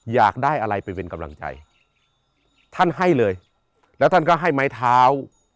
อยากได้อะไรไปเป็นกำลังใจท่านให้เลยแล้วท่านก็ให้ไม้เท้า